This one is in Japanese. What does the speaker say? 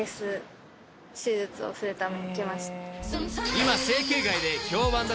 ［今］